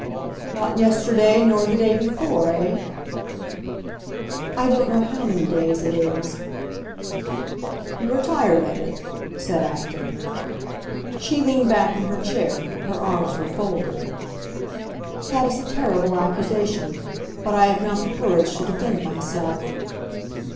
"Not yesterday, nor the day before, eh?" "I don't know how many days it is." "You are tired of it," said Acton. She leaned back in her chair; her arms were folded. "That is a terrible accusation, but I have not the courage to defend myself."